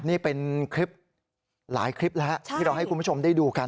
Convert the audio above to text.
นี่เป็นคลิปหลายคลิปแล้วที่เราให้คุณผู้ชมได้ดูกัน